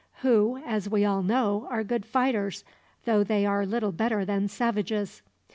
Who, as we all know, are good fighters, though they are little better than savages.